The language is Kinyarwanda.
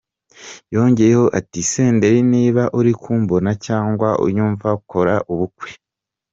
Yongeyeho ati "Senderi niba uri kumbona cyangwa unyumva kora ubukwe.